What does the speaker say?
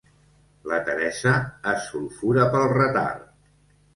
La Teresa es sulfura pel retard.